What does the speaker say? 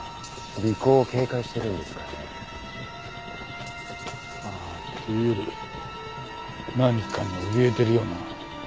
尾行を警戒してるんですかね？というより何かにおびえてるような。